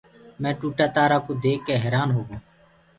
مينٚ ٽوٽآ تآرآ ڪوُ ديک ڪيٚ حيرآن هوگو۔